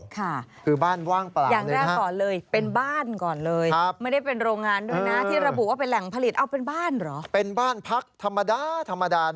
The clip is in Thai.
ค่ะคือบ้านว่างเปล่าเลยนะครับ